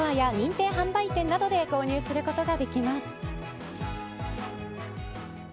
オンラインストアや認定販売店などで購入することができます。